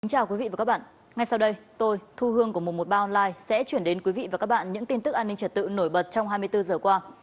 xin chào quý vị và các bạn ngay sau đây tôi thu hương của một trăm một mươi ba online sẽ chuyển đến quý vị và các bạn những tin tức an ninh trật tự nổi bật trong hai mươi bốn giờ qua